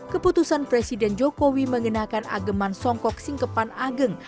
keputusan presiden jokowi mengenakan ageman songkok singkepan ageng